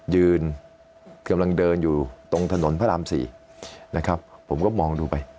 ยืนกำลังเดินอยู่ตรงถนนพระรามสี่นะครับผมก็มองดูไป